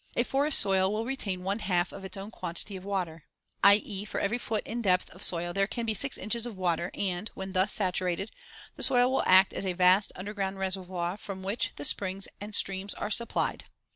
A forest soil will retain one half of its own quantity of water; i.e., for every foot in depth of soil there can be six inches of water and, when thus saturated, the soil will act as a vast, underground reservoir from which the springs and streams are supplied (Fig.